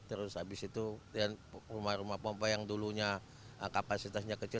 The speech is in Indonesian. terus habis itu rumah rumah pompa yang dulunya kapasitasnya kecil